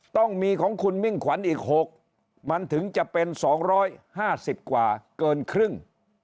ต้องมีของคุณมิ่งขวัญอีก๖มันถึงจะเป็น๒๕๐กว่าเกินครึ่ง